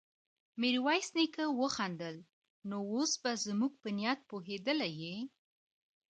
ميرويس نيکه وخندل: نو اوس به زموږ په نيت پوهېدلی يې؟